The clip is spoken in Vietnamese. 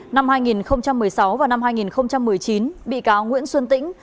năm hai nghìn một mươi sáu và năm hai nghìn một mươi chín bị cáo nguyễn xuân tĩnh